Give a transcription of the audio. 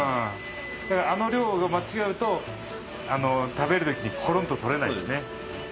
あの量を間違うと食べる時にコロンと取れないよね。